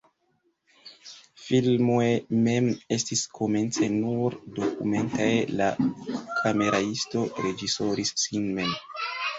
Filmoj mem estis komence nur dokumentaj, la kameraisto reĝisoris sin mem.